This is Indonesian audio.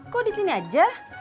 kok di sini aja